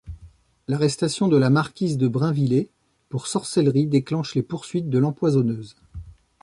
L'arrestation de la marquise de Brinvillers pour sorcellerie déclenche les poursuites de l'empoisonneuse.